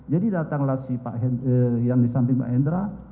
jadi datanglah si yang di samping pak hendra